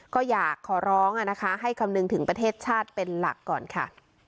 ก็อยากขอร้องนะคะให้คำนึงถึงประเทศชาติเป็นหลักก่อนค่ะ